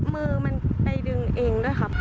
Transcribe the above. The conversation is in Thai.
มือมันไปดึงเองด้วยครับ